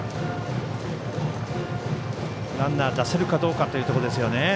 ランナー出せるかどうかというところですね。